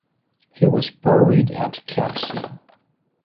He was buried at Campsie.